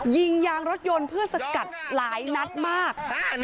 ยางรถยนต์เพื่อสกัดหลายนัดมาก